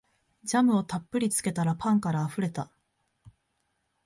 ジャムをたっぷりつけたらパンからあふれた